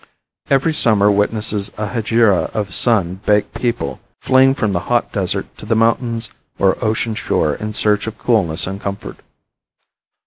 Every summer witnesses a hegira of sun baked people fleeing from the hot desert to the mountains or ocean shore in search of coolness and comfort.